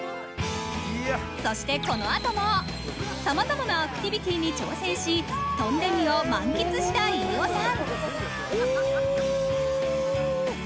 そして、このあともさまざまなアクティビティーに挑戦し、トンデミを満喫した飯尾さん。